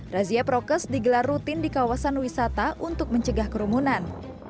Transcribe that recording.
razia prokes digelar rutin di kawasan wisata untuk mencegah kerumunan